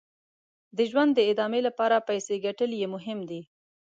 د ژوند د ادامې لپاره پیسې ګټل یې مهم دي.